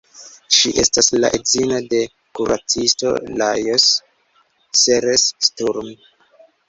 Ŝi estas la edzino de kuracisto Lajos Seres-Sturm.